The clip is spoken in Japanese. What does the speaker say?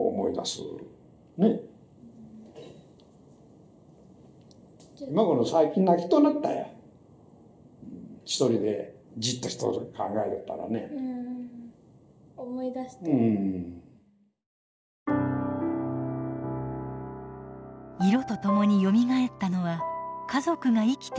色とともによみがえったのは家族が生きていたという実感。